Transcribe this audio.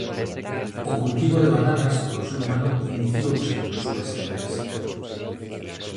O cultivo de bananas polo ser humano iniciouse no sueste de Asia.